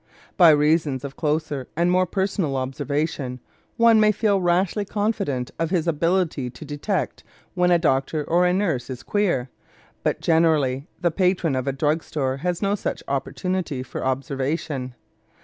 By reason of closer and more personal observation one may feel rashly confident of his ability to detect when a doctor or a nurse is "queer," but generally the patron of a drug store has no such opportunity for observation.